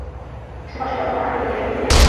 Supershop বন্ধ হওয়ার আগেই গিয়ে সব কিনে নিয়ে আসবো।